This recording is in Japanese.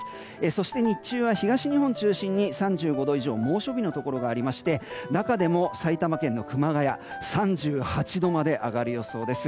そして日中は東日本中心に３５度以上の猛暑日のところがありまして中でも、埼玉県の熊谷３８度まで上がる予想です。